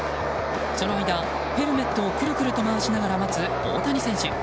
その間、ヘルメットをくるくると回しながら待つ大谷選手。